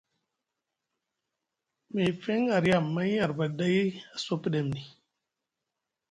Meefeŋ a riya amay arbaɗi ɗay a suwa pɗemni.